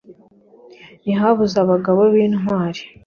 Ntihabuze abagabo bintwari